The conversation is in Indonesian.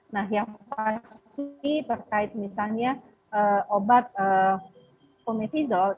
nah yang pasti terkait misalnya obat pomethizol itu diberikan secara gratis